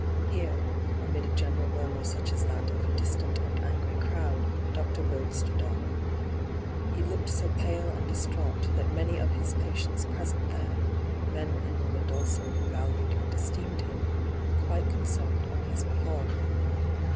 Here, amid a general murmur such as that of a distant and angry crowd, Dr. Bird stood D,gt,, 6rtbyGOOglC 64 ENTRAPPED up. He looked so pale and dietratight that many of his patients present there — men and women also, who valued and esteemed him — were quite concerned on his behalf.